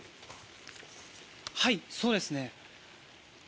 はい、そうですね。